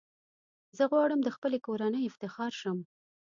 زه غواړم د خپلي کورنۍ افتخار شم .